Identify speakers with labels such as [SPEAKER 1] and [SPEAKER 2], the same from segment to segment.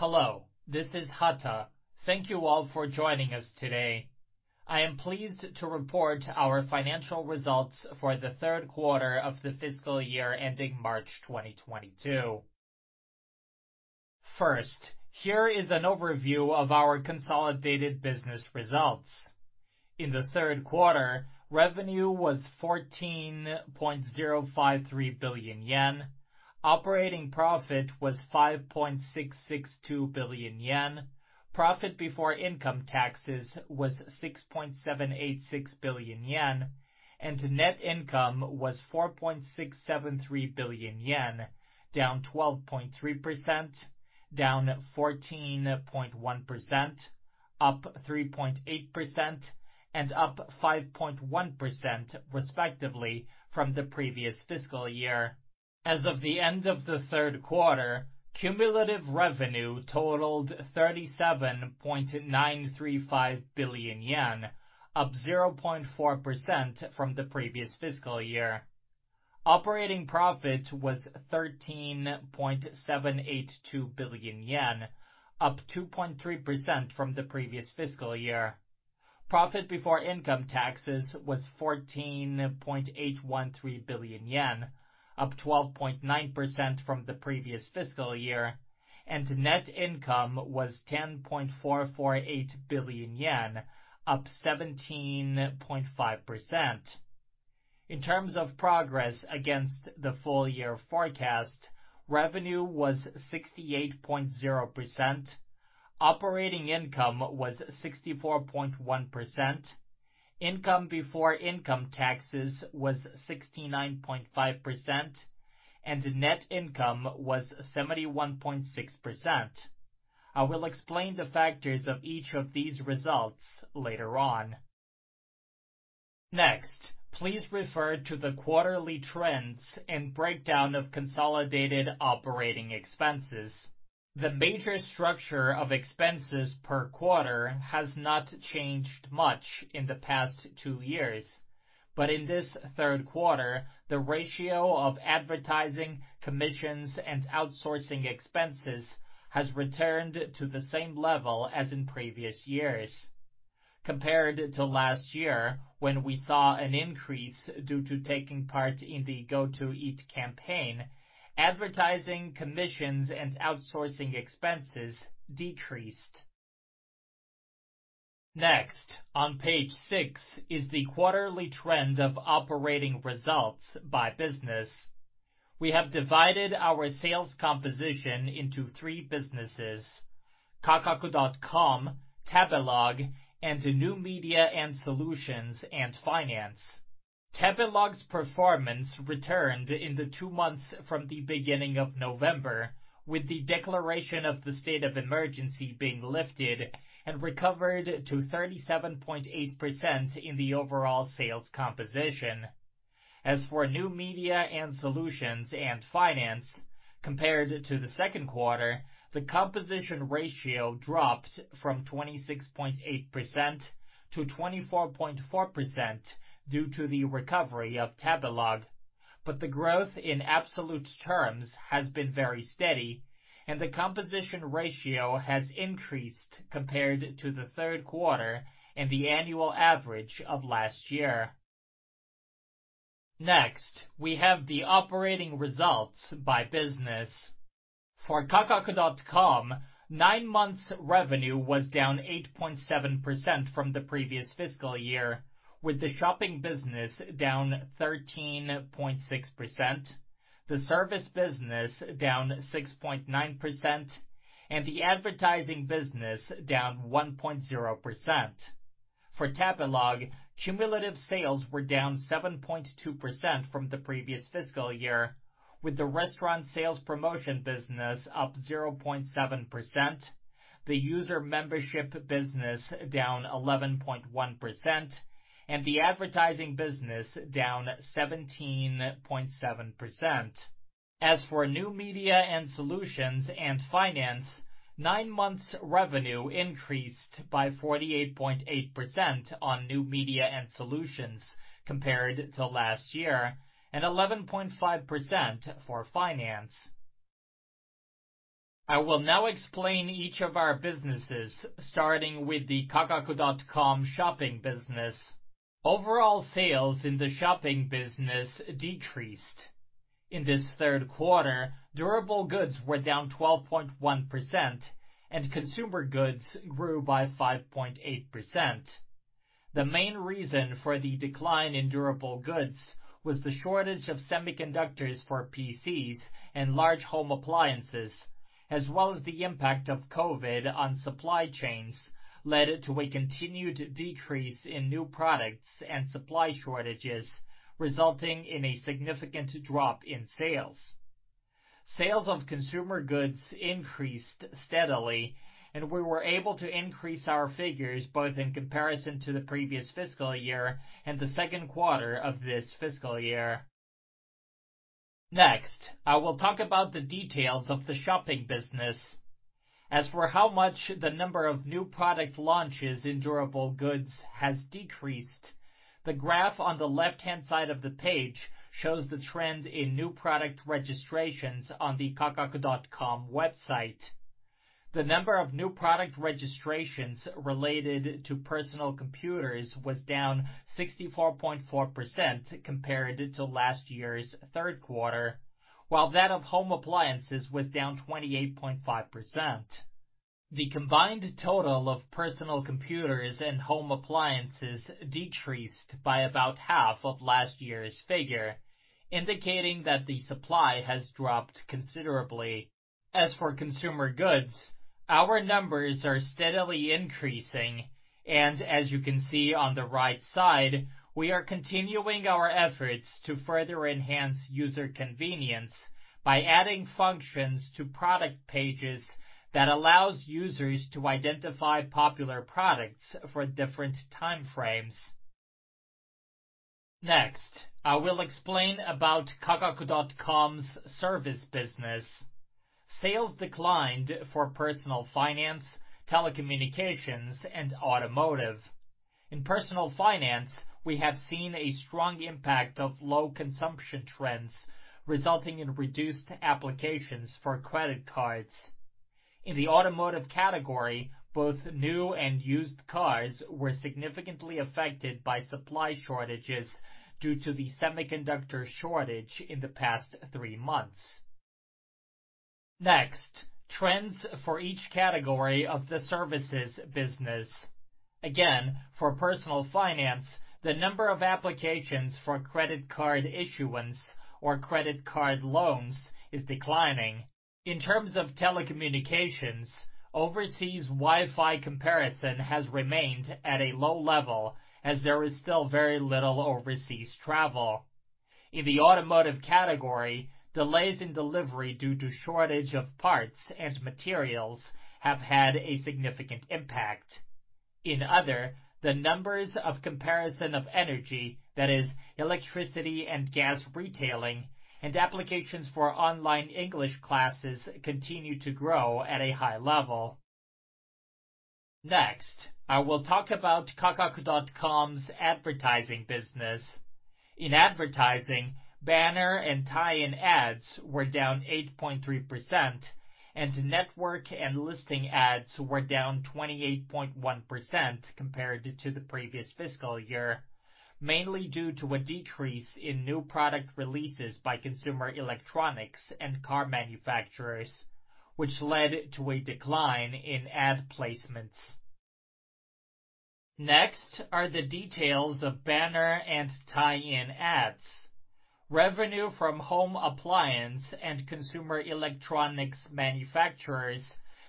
[SPEAKER 1] Hello, this is Hata. Thank you all for joining us today. I am pleased to report our financial results for the third quarter of the fiscal year ending March 2022. First, here is an overview of our consolidated business results. In the third quarter, revenue was 14.053 billion yen, operating profit was 5.662 billion yen, profit before income taxes was 6.786 billion yen, and net income was 4.673 billion yen, down 12.3%, down 14.1%, up 3.8%, and up 5.1% respectively from the previous fiscal year. As of the end of the third quarter, cumulative revenue totaled 37.935 billion yen, up 0.4% from the previous fiscal year. Operating profit was 13.782 billion yen, up 2.3% from the previous fiscal year. Profit before income taxes was 14.813 billion yen, up 12.9% from the previous fiscal year. Net income was 10.448 billion yen, up 17.5%. In terms of progress against the full year forecast, revenue was 68.0%, operating income was 64.1%, income before income taxes was 69.5%, and net income was 71.6%. I will explain the factors of each of these results later on. Next, please refer to the quarterly trends and breakdown of consolidated operating expenses. The major structure of expenses per quarter has not changed much in the past two years. In this third quarter, the ratio of advertising, commissions, and outsourcing expenses has returned to the same level as in previous years. Compared to last year, when we saw an increase due to taking part in the Go To Eat campaign, advertising, commissions, and outsourcing expenses decreased. Next, on page six is the quarterly trend of operating results by business. We have divided our sales composition into three businesses: Kakaku.com, Tabelog, and New Media and Solutions, and Finance. Tabelog's performance returned in the two months from the beginning of November, with the declaration of the state of emergency being lifted and recovered to 37.8% in the overall sales composition. As for New Media and Solutions, and Finance, compared to the second quarter, the composition ratio dropped from 26.8%-24.4% due to the recovery of Tabelog. The growth in absolute terms has been very steady, and the composition ratio has increased compared to the third quarter and the annual average of last year. Next, we have the operating results by business. For Kakaku.com, nine months revenue was down 8.7% from the previous fiscal year, with the shopping business down 13.6%, the service business down 6.9%, and the advertising business down 1.0%. For Tabelog, cumulative sales were down 7.2% from the previous fiscal year, with the restaurant sales promotion business up 0.7%, the user membership business down 11.1%, and the advertising business down 17.7%. As for New Media and Solutions and Finance, nine months revenue increased by 48.8% in New Media and Solutions compared to last year, and 11.5% for Finance. I will now explain each of our businesses, starting with the Kakaku.com shopping business. Overall sales in the shopping business decreased. In this third quarter, durable goods were down 12.1% and consumer goods grew by 5.8%. The main reason for the decline in durable goods was the shortage of semiconductors for PCs and large home appliances, as well as the impact of COVID on supply chains led to a continued decrease in new products and supply shortages, resulting in a significant drop in sales. Sales of consumer goods increased steadily, and we were able to increase our figures both in comparison to the previous fiscal year and the second quarter of this fiscal year. Next, I will talk about the details of the shopping business. As for how much the number of new product launches in durable goods has decreased, the graph on the left-hand side of the page shows the trend in new product registrations on the Kakaku.com website. The number of new product registrations related to personal computers was down 64.4% compared to last year's third quarter, while that of home appliances was down 28.5%. The combined total of personal computers and home appliances decreased by about half of last year's figure, indicating that the supply has dropped considerably. As for consumer goods, our numbers are steadily increasing, and as you can see on the right side, we are continuing our efforts to further enhance user convenience by adding functions to product pages that allows users to identify popular products for different time frames. Next, I will explain about Kakaku.com's service business. Sales declined for personal finance, telecommunications, and automotive. In personal finance, we have seen a strong impact of low consumption trends, resulting in reduced applications for credit cards. In the automotive category, both new and used cars were significantly affected by supply shortages due to the semiconductor shortage in the past three months. Next, trends for each category of the services business. Again, for personal finance, the number of applications for credit card issuance or credit card loans is declining. In terms of telecommunications, overseas Wi-Fi comparison has remained at a low level as there is still very little overseas travel. In the automotive category, delays in delivery due to shortage of parts and materials have had a significant impact. In other, the numbers of comparison of energy, that is electricity and gas retailing, and applications for online English classes continue to grow at a high level. Next, I will talk about Kakaku.com's advertising business. In advertising, banner and tie-in ads were down 8.3% and network and listing ads were down 28.1% compared to the previous fiscal year, mainly due to a decrease in new product releases by consumer electronics and car manufacturers, which led to a decline in ad placements. Next are the details of banner and tie-in ads. Revenue from home appliance and consumer electronics manufacturers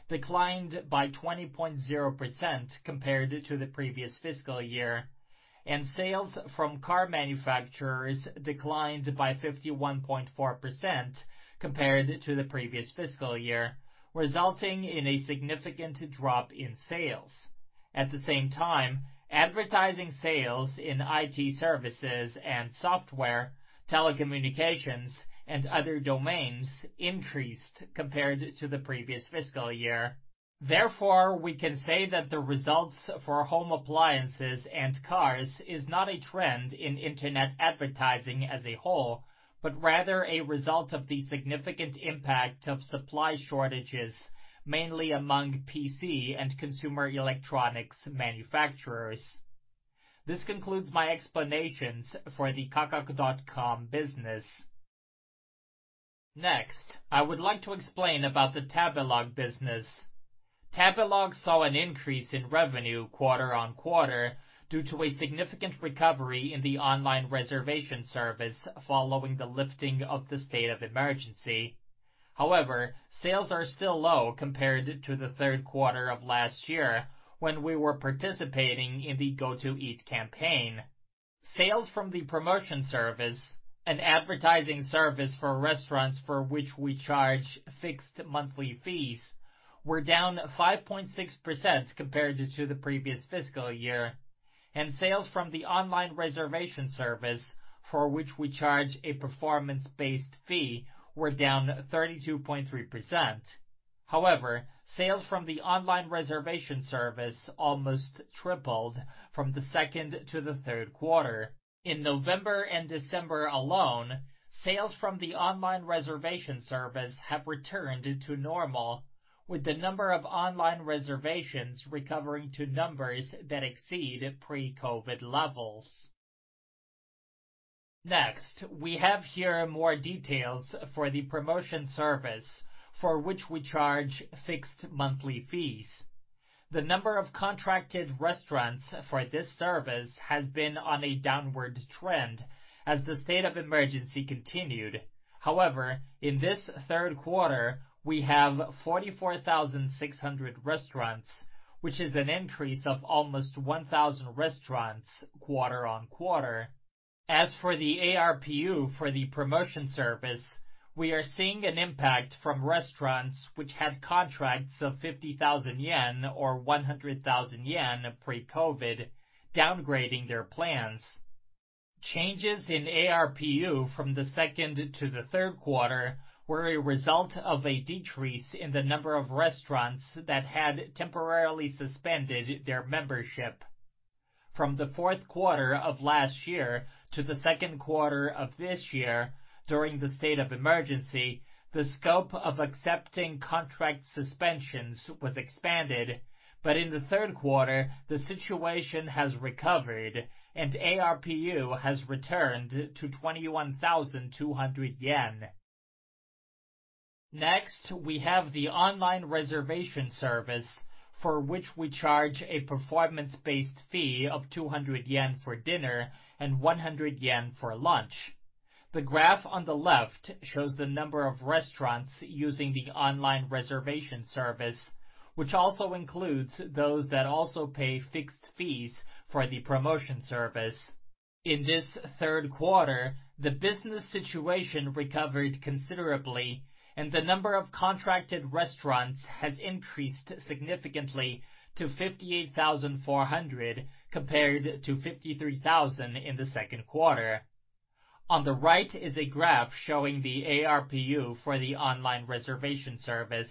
[SPEAKER 1] declined by 20.0% compared to the previous fiscal year, and sales from car manufacturers declined by 51.4% compared to the previous fiscal year, resulting in a significant drop in sales. At the same time, advertising sales in IT services and software, telecommunications, and other domains increased compared to the previous fiscal year. Therefore, we can say that the results for home appliances and cars is not a trend in internet advertising as a whole, but rather a result of the significant impact of supply shortages, mainly among PC and consumer electronics manufacturers. This concludes my explanations for the Kakaku.com business. Next, I would like to explain about the Tabelog business. Tabelog saw an increase in revenue quarter-over-quarter due to a significant recovery in the online reservation service following the lifting of the state of emergency. However, sales are still low compared to the third quarter of last year when we were participating in the Go To Eat campaign. Sales from the promotion service, an advertising service for restaurants for which we charge fixed monthly fees, were down 5.6% compared to the previous fiscal year, and sales from the online reservation service for which we charge a performance-based fee were down 32.3%. However, sales from the online reservation service almost tripled from the second to the third quarter. In November and December alone, sales from the online reservation service have returned to normal, with the number of online reservations recovering to numbers that exceed pre-COVID levels. Next, we have here more details for the promotion service for which we charge fixed monthly fees. The number of contracted restaurants for this service has been on a downward trend as the state of emergency continued. However, in this third quarter, we have 44,600 restaurants, which is an increase of almost 1,000 restaurants quarter-on-quarter. As for the ARPU for the promotion service, we are seeing an impact from restaurants which had contracts of 50,000 yen or 100,000 yen pre-COVID downgrading their plans. Changes in ARPU from the second to the third quarter were a result of a decrease in the number of restaurants that had temporarily suspended their membership. From the fourth quarter of last year to the second quarter of this year, during the state of emergency, the scope of accepting contract suspensions was expanded, but in the third quarter, the situation has recovered and ARPU has returned to 21,200 yen. Next, we have the online reservation service for which we charge a performance-based fee of JPY 200for dinner and 100 yen for lunch. The graph on the left shows the number of restaurants using the online reservation service, which also includes those that also pay fixed fees for the promotion service. In this third quarter, the business situation recovered considerably, and the number of contracted restaurants has increased significantly to 58,400 compared to 53,000 in the second quarter. On the right is a graph showing the ARPU for the online reservation service.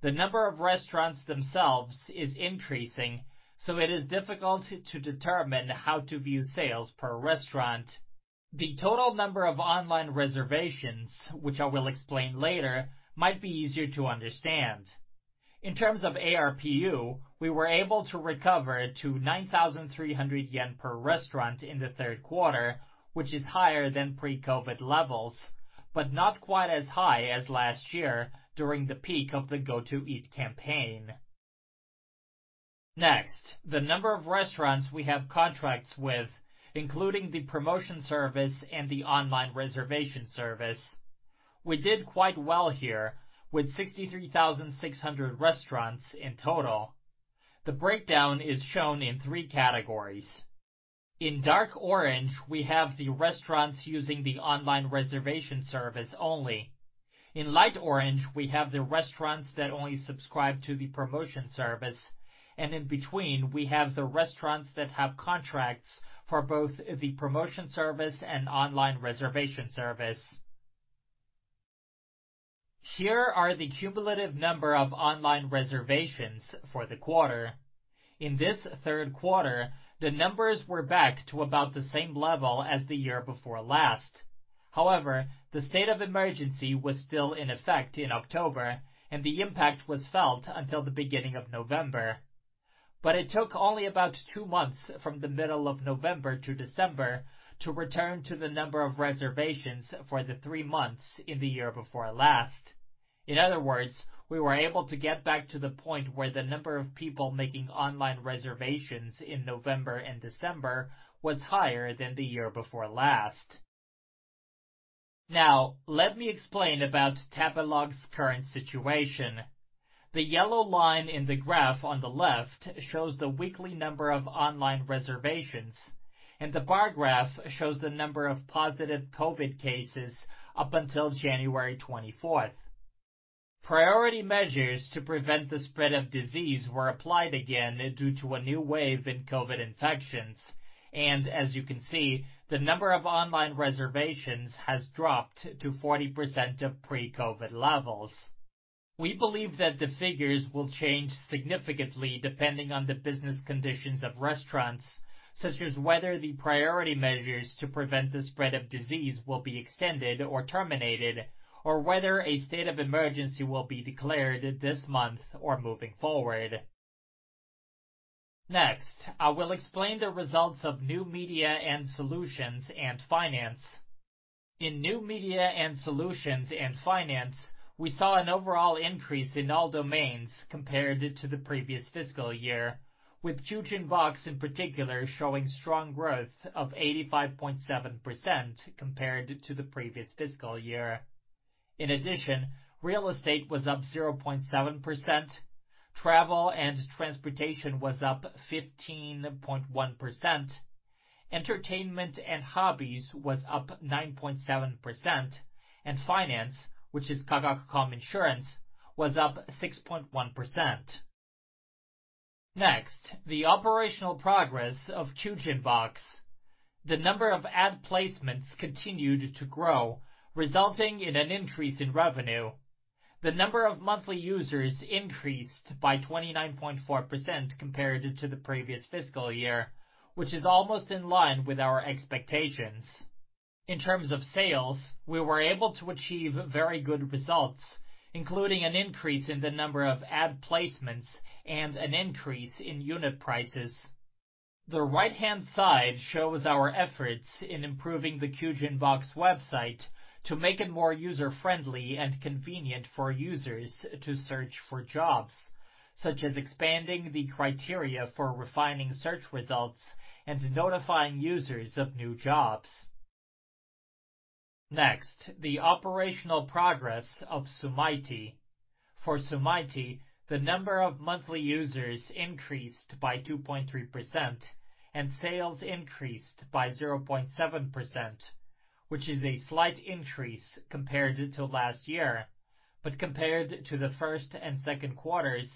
[SPEAKER 1] The number of restaurants themselves is increasing, so it is difficult to determine how to view sales per restaurant. The total number of online reservations, which I will explain later, might be easier to understand. In terms of ARPU, we were able to recover to 9,300 yen per restaurant in the third quarter, which is higher than pre-COVID levels, but not quite as high as last year during the peak of the Go To Eat campaign. Next, the number of restaurants we have contracts with, including the promotion service and the online reservation service. We did quite well here with 63,600 restaurants in total. The breakdown is shown in three categories. In dark orange, we have the restaurants using the online reservation service only. In light orange, we have the restaurants that only subscribe to the promotion service. In between, we have the restaurants that have contracts for both the promotion service and online reservation service. Here are the cumulative number of online reservations for the quarter. In this third quarter, the numbers were back to about the same level as the year before last. However, the state of emergency was still in effect in October, and the impact was felt until the beginning of November. It took only about two months from the middle of November to December to return to the number of reservations for the three months in the year before last. In other words, we were able to get back to the point where the number of people making online reservations in November and December was higher than the year before last. Now, let me explain about Tabelog's current situation. The yellow line in the graph on the left shows the weekly number of online reservations, and the bar graph shows the number of positive COVID cases up until January 24. Priority measures to prevent the spread of disease were applied again due to a new wave in COVID infections. As you can see, the number of online reservations has dropped to 40% of pre-COVID levels. We believe that the figures will change significantly depending on the business conditions of restaurants, such as whether the priority measures to prevent the spread of disease will be extended or terminated, or whether a state of emergency will be declared this month or moving forward. Next, I will explain the results of New Media and Solutions and Finance. In New Media and Solutions and Finance, we saw an overall increase in all domains compared to the previous fiscal year, with Kyujin Box in particular showing strong growth of 85.7% compared to the previous fiscal year. In addition, real estate was up 0.7%, travel and transportation was up 15.1%, entertainment and hobbies was up 9.7%, and finance, which is Kakaku.com Insurance, was up 6.1%. Next, the operational progress of Kyujin Box. The number of ad placements continued to grow, resulting in an increase in revenue. The number of monthly users increased by 29.4% compared to the previous fiscal year, which is almost in line with our expectations. In terms of sales, we were able to achieve very good results, including an increase in the number of ad placements and an increase in unit prices. The right-hand side shows our efforts in improving the Kyujin Box website to make it more user-friendly and convenient for users to search for jobs, such as expanding the criteria for refining search results and notifying users of new jobs. Next, the operational progress of Sumaity. For Sumaity, the number of monthly users increased by 2.3% and sales increased by 0.7%, which is a slight increase compared to last year. Compared to the first and second quarters,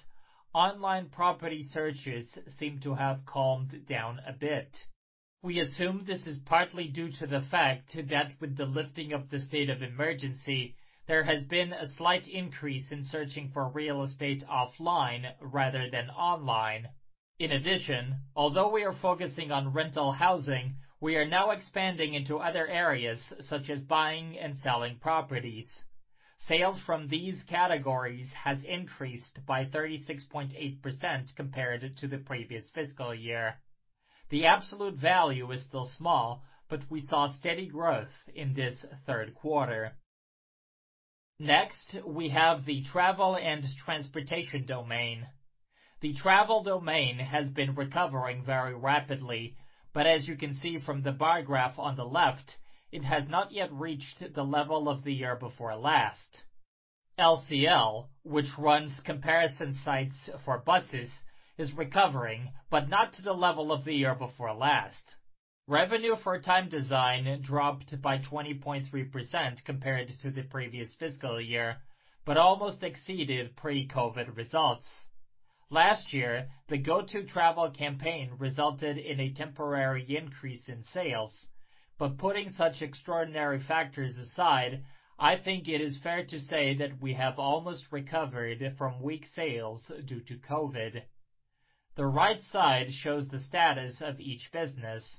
[SPEAKER 1] online property searches seem to have calmed down a bit. We assume this is partly due to the fact that with the lifting of the state of emergency, there has been a slight increase in searching for real estate offline rather than online. In addition, although we are focusing on rental housing, we are now expanding into other areas such as buying and selling properties. Sales from these categories has increased by 36.8% compared to the previous fiscal year. The absolute value is still small, but we saw steady growth in this third quarter. Next, we have the travel and transportation domain. The travel domain has been recovering very rapidly, but as you can see from the bar graph on the left, it has not yet reached the level of the year before last. LCL, which runs comparison sites for buses, is recovering, but not to the level of the year before last. Revenue for Time Design dropped by 20.3% compared to the previous fiscal year, but almost exceeded pre-COVID results. Last year, the Go To Travel campaign resulted in a temporary increase in sales. Putting such extraordinary factors aside, I think it is fair to say that we have almost recovered from weak sales due to COVID. The right side shows the status of each business.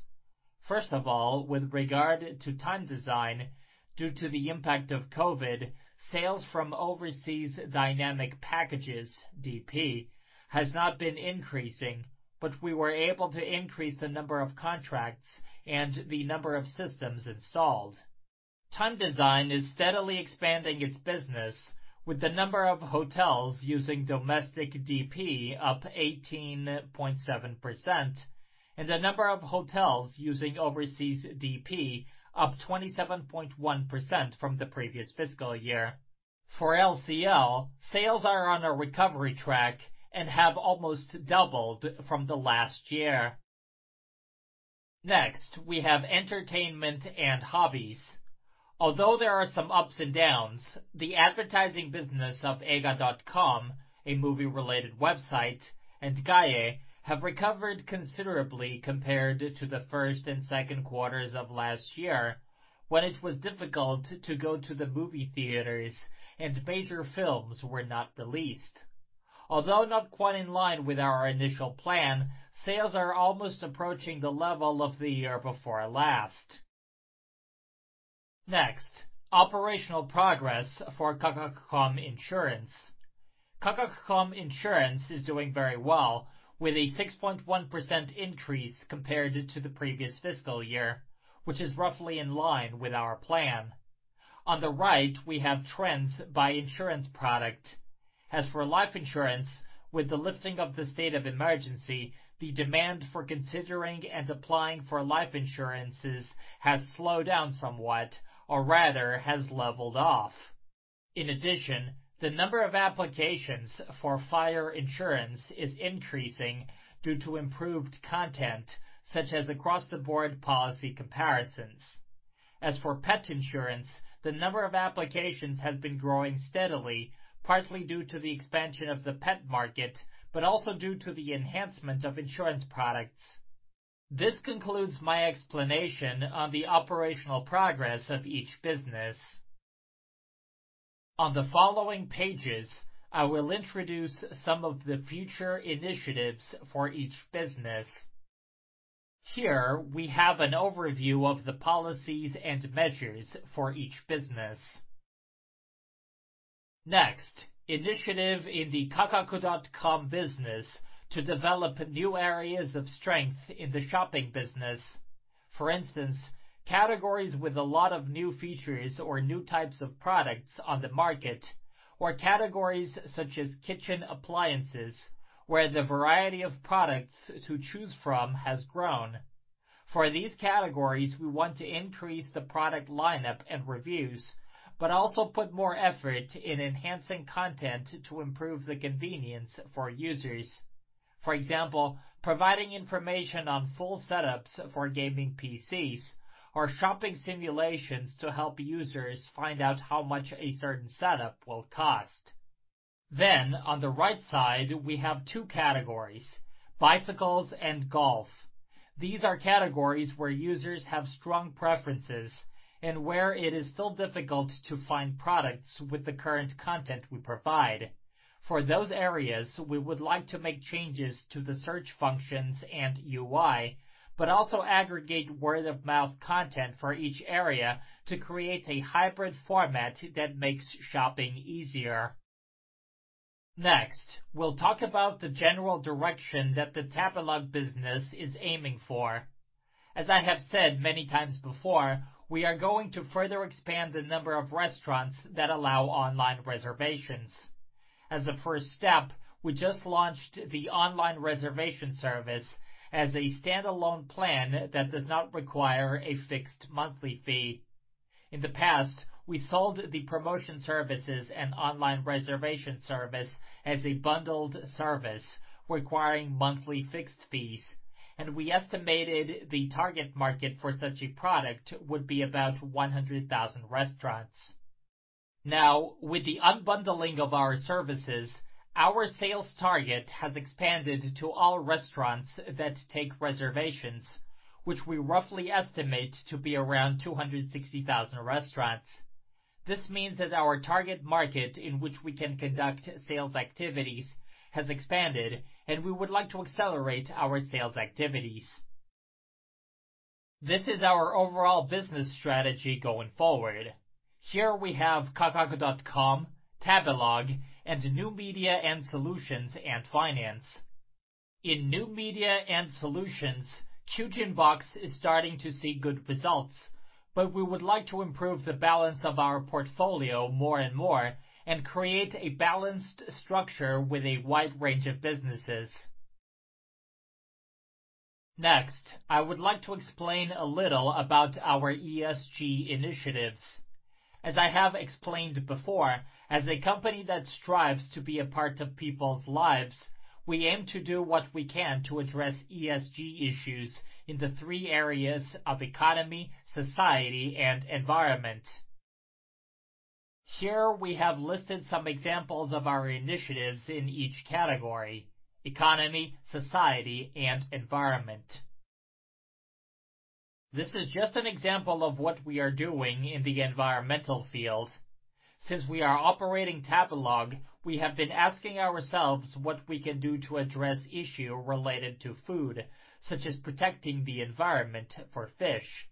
[SPEAKER 1] First of all, with regard to Time Design, due to the impact of COVID, sales from overseas Dynamic Packages, DP, has not been increasing, but we were able to increase the number of contracts and the number of systems installed. Time Design is steadily expanding its business, with the number of hotels using domestic DP up 18.7% and the number of hotels using overseas DP up 27.1% from the previous fiscal year. For LCL, sales are on a recovery track and have almost doubled from the last year. Next, we have entertainment and hobbies. Although there are some ups and downs, the advertising business of eiga.com, a movie-related website, and Gaie have recovered considerably compared to the first and second quarters of last year when it was difficult to go to the movie theaters and major films were not released. Although not quite in line with our initial plan, sales are almost approaching the level of the year before last. Next, operational progress for Kakaku.com Insurance. Kakaku.com Insurance is doing very well, with a 6.1% increase compared to the previous fiscal year, which is roughly in line with our plan. On the right, we have trends by insurance product. As for life insurance, with the lifting of the state of emergency, the demand for considering and applying for life insurances has slowed down somewhat or rather has leveled off. In addition, the number of applications for fire insurance is increasing due to improved content, such as across-the-board policy comparisons. As for pet insurance, the number of applications has been growing steadily, partly due to the expansion of the pet market, but also due to the enhancement of insurance products. This concludes my explanation on the operational progress of each business. On the following pages, I will introduce some of the future initiatives for each business. Here we have an overview of the policies and measures for each business. Next, initiative in the Kakaku.com business to develop new areas of strength in the shopping business. For instance, categories with a lot of new features or new types of products on the market, or categories such as kitchen appliances, where the variety of products to choose from has grown. For these categories, we want to increase the product lineup and reviews, but also put more effort in enhancing content to improve the convenience for users. For example, providing information on full setups for gaming PCs or shopping simulations to help users find out how much a certain setup will cost. On the right side, we have two categories, bicycles and golf. These are categories where users have strong preferences and where it is still difficult to find products with the current content we provide. For those areas, we would like to make changes to the search functions and UI, but also aggregate word-of-mouth content for each area to create a hybrid format that makes shopping easier. Next, we'll talk about the general direction that the Tabelog business is aiming for. As I have said many times before, we are going to further expand the number of restaurants that allow online reservations. As a first step, we just launched the online reservation service as a standalone plan that does not require a fixed monthly fee. In the past, we sold the promotion services and online reservation service as a bundled service requiring monthly fixed fees, and we estimated the target market for such a product would be about 100,000 restaurants. Now with the unbundling of our services, our sales target has expanded to all restaurants that take reservations, which we roughly estimate to be around 260,000 restaurants. This means that our target market in which we can conduct sales activities has expanded and we would like to accelerate our sales activities. This is our overall business strategy going forward. Here we have Kakaku.com, Tabelog and New Media and Solutions and Finance. In New Media and Solutions, Kyujin Box is starting to see good results, but we would like to improve the balance of our portfolio more and more and create a balanced structure with a wide range of businesses. Next, I would like to explain a little about our ESG initiatives. As I have explained before, as a company that strives to be a part of people's lives, we aim to do what we can to address ESG issues in the three areas of economy, society, and environment. Here we have listed some examples of our initiatives in each category, economy, society, and environment. This is just an example of what we are doing in the environmental field. Since we are operating Tabelog, we have been asking ourselves what we can do to address issues related to food, such as protecting the environment for fish.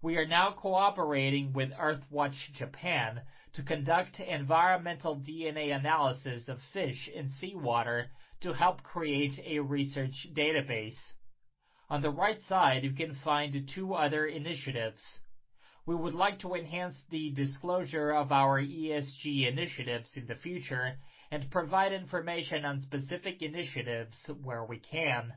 [SPEAKER 1] We are now cooperating with Earthwatch Japan to conduct environmental DNA analysis of fish in seawater to help create a research database. On the right side, you can find two other initiatives. We would like to enhance the disclosure of our ESG initiatives in the future and provide information on specific initiatives where we can.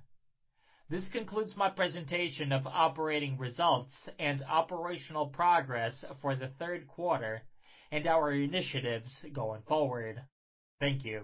[SPEAKER 1] This concludes my presentation of operating results and operational progress for the third quarter and our initiatives going forward. Thank you.